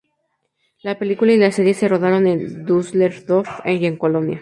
La película y la serie se rodaron en Düsseldorf y en Colonia.